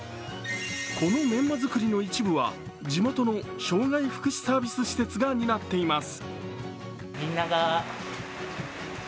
このメンマ作りの一部は、地元の障害福祉サービス施設が担っています。